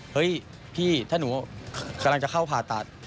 เฮ้ยพี่ถ้าหนูกำลังจะเข้าผ่าตัด